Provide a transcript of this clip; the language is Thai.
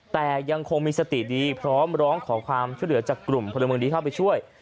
แต่ยังคงมีสติดีพร้อมร้องขอความช่วยเหลือจากกลุ่มพลเมืองดีเข้าไปช่วย